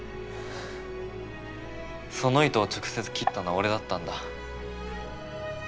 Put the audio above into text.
その糸を直接切ったのは俺だったんだ。